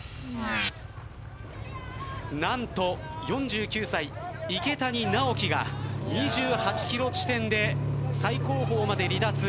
何と４９歳、池谷直樹が２８キロ地点で最後方まで離脱。